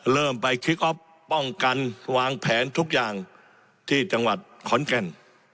เริ่มไปคลิกออฟป้องกันวางแผนทุกอย่างที่จังหวัดขอนแก่น